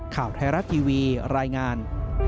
ข่าวไทยรัฐทีวีรายงาน